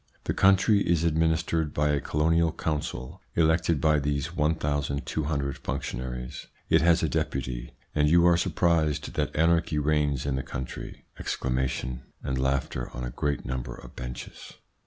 The country is adminis tered by a colonial council elected by these 1,200 functionaries. It has a Deputy. And you are surprised that anarchy reigns in the country ! (Exclamations and laughter on a great number of benches.